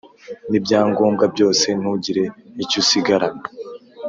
nibyangombwa byose ntugire icyusigarana."